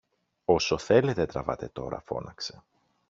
Όσο θέλετε τραβάτε τώρα! φώναξε.